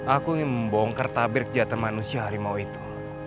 aku ingin membongkar tabir kejahatan manusia harimau itu